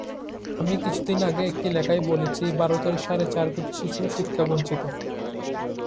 আমি কিছুদিন আগে একটি লেখায় বলেছি, ভারতের সাড়ে চার কোটি শিশু শিক্ষাবঞ্চিত।